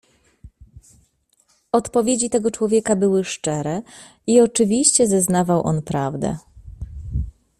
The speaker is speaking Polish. "Odpowiedzi tego człowieka były szczere i, oczywiście, zeznawał on prawdę."